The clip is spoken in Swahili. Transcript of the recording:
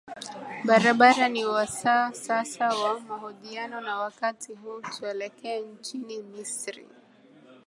barabara ni wasaa sasa wa mahojiano na wakati huu twelekee nchini misri